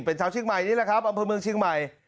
เป็นชาวเชียงใหม่นี่แหละครับอำเภอเมืองเชียงใหม่